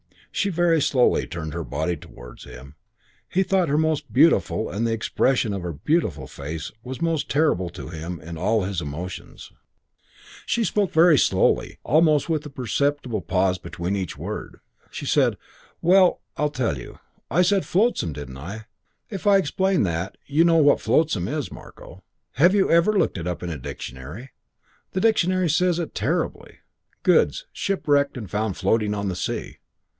She very slowly turned her body towards him. He thought her most beautiful and the expression of her beautiful face was most terrible to him in all his emotions. V She spoke very slowly; almost with a perceptible pause between each word. She said, "Well, I'll tell you. I said 'flotsam', didn't I? If I explain that you know what flotsam is, Marko. Have you ever looked it up in the dictionary? The dictionary says it terribly. 'Goods shipwrecked and found floating on the sea.'